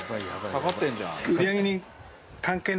下がってんじゃん。